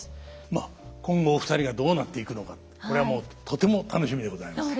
まあ今後お二人がどうなっていくのかってこれはもうとても楽しみでございます。